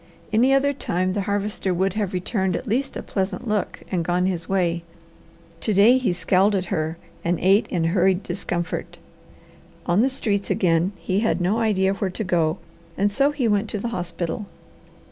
Any other time the Harvester would have returned at least a pleasant look, and gone his way. To day he scowled at her, and ate in hurried discomfort. On the streets again, he had no idea where to go and so he went to the hospital.